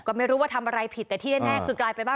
ก็ไม่รู้ว่าทำอะไรผิดแต่ที่แน่คือกลายเป็นว่า